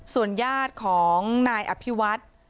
ส่วนญาติของนายอภิวัฒน์